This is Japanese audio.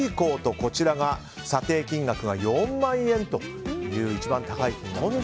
こちらが査定金額が４万円という一番高い金額。